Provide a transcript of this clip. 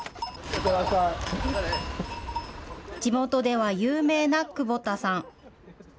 地元では有名な久保田さん。